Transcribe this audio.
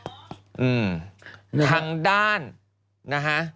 อืมทางด้านนะฮะ